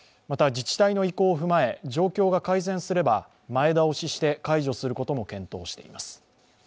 また自治体の意向を踏まえ状況が改善すれば前倒しして解除することも検討しています。